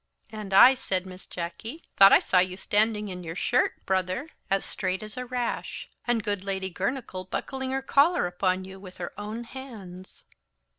"And I," said Miss Jacky, "thought I saw you standing in your shirt, brother, as straight as a rash, and good Lady Girnachgowl buckling her collar upon you with her own hands."